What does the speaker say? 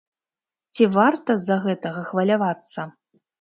Ці варта з-за гэтага хвалявацца?